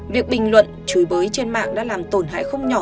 việc bình luận chửi bới trên mạng đã làm tổn hại không nhỏ